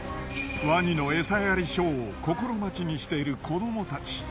ワニの餌やりショーを心待ちにしている子どもたち。